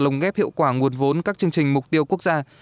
lồng ghép hiệu quả nguồn vốn các chương trình mục tiêu quốc gia